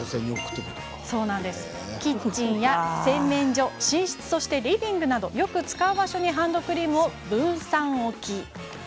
キッチン、洗面所、寝室リビングなど、よく使う場所にハンドクリームを分散置き。